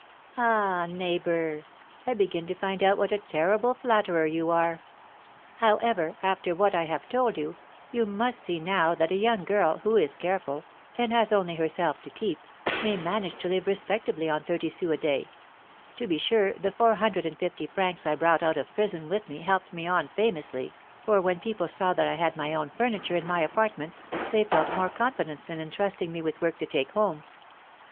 "Ah, neighbour, I begin to find out what a terrible flatterer you are. However, after what I have told you, you must see now that a young girl, who is careful, and has only herself to keep, may manage to live respectably on thirty sous a day; to be sure, the four hundred and fifty francs I brought out of prison with me helped me on famously, for when people saw that I had my own furniture in my apartments, they felt more confidence in entrusting me with work to take home.